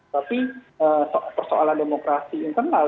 tapi persoalan demokrasi internal